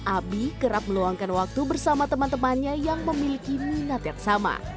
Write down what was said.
abi kerap meluangkan waktu bersama teman temannya yang memiliki minat yang sama